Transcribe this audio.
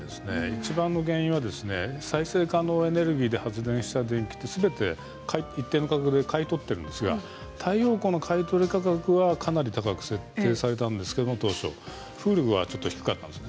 いちばんの原因は再生可能エネルギーで発電した電力は一定の価格で買い取っているんですが太陽光の買い取り価格はかなり高く設定されたんですが当初風力は低かったんです。